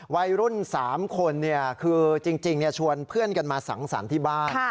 วัยรุ่น๓คนคือจริงชวนเพื่อนกันมาสังสรรค์ที่บ้าน